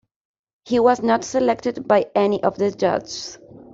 He was not selected by any of the judges.